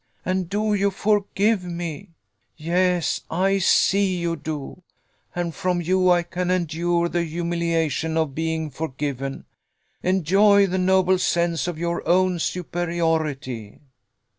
and do you forgive me? Yes, I see you do and from you I can endure the humiliation of being forgiven. Enjoy the noble sense of your own superiority."